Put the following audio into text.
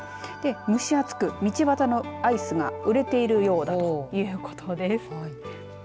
蒸し暑く道端のアイスが売れているようだということです。